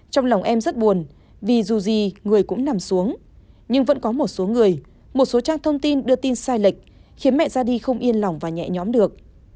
trong lòng em rất buồn vì dù gì người cũng nằm xuống nhưng vẫn có một số người một số trang thông tin đưa tin sai lệch khiến mẹ ra đi không yên lòng và nhẹ nhóm được